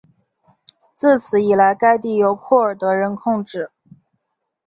自此以来该地由库尔德人控制。